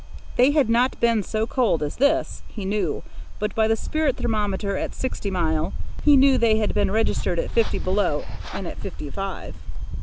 They had not been so cold as this, he knew, but by the spirit thermometer at Sixty Mile he knew they had been registered at fifty below and at fifty five.